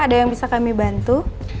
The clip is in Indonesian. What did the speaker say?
ada yang bisa kami bantu